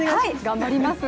頑張ります。